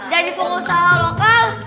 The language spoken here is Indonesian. dari pengusaha lokal